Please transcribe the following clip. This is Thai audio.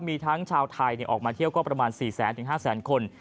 มีทั้งชาวไทยออกมาเที่ยวก็ประมาณ๔๐๐๐๕๐๐๐คน